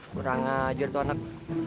kurang ngajar tuh anak